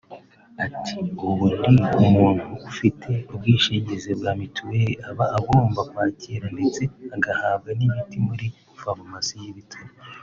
Ati “Ubundi umuntu ufite ubwishingizi bwa mituweli aba agomba kwakirwa ndetse agahabwa n’imiti muri farumasi y’ibitaro